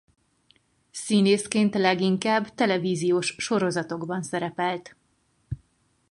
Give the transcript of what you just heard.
Színészként leginkább televíziós sorozatokban szerepelt.